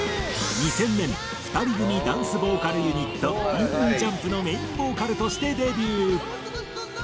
２０００年２人組ダンスボーカルユニットＥＥＪＵＭＰのメインボーカルとしてデビュー。